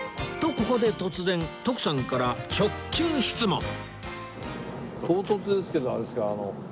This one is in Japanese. ここで突然唐突ですけどあれですか？